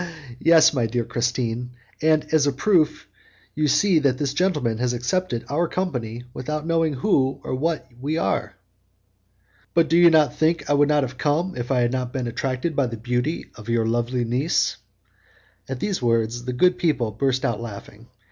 "Yes, my dear Christine, and as a proof you see that this gentleman has accepted our company without knowing who or what we are." "But do you think I would have come if I had not been attracted by the beauty of your lovely niece?" At these words the good people burst out laughing.